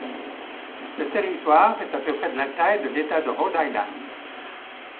Ce territoire est à peu près de la taille de l'État de Rhode Island.